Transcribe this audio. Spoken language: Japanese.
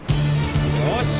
よし！